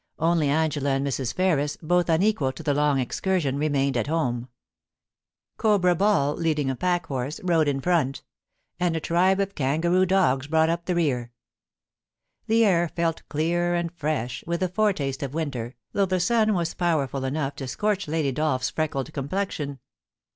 Only Angela and Mrs. Ferris, both unequal to the long excursion, remained at home. Cobra Ball, leading a pack horse, rode in front; and a tribe of 190 POLICY AND PASSION. kangaroo dogs brought up the rear. The air felt clear and fresh, with the foretaste of winter, though the sun was power ful enough to scorch Lady Dolph's freckled complexion.